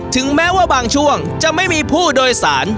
ถึงแม้ว่าบางช่วงจะไม่มีผู้โดยสาร